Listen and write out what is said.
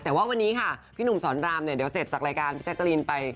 แต่ว่าวันนี้สนรามเดี๋ยวเสร็จจากรายการพี่แซะตะเรียนไป